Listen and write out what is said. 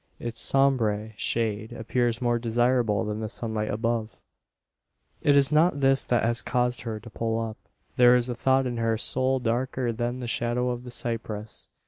Its sombre shade appears more desirable than the sunlight above. It is not this that has caused her to pull up. There is a thought in her soul darker than the shadow of the cypress.